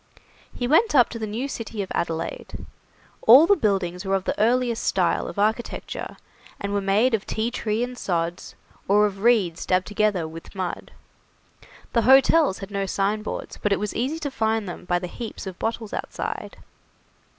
He went up to the new city of Adelaide. All the buildings were of the earliest style of architecture, and were made of tea tree and sods, or of reeds dabbed together with mud. The hotels had no signboards, but it was easy to find them by the heaps of bottles outside.